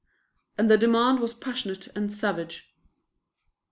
And the demand was passionate and savage.